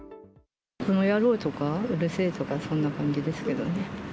このやろうとか、うるせえとか、そんな感じですけどね。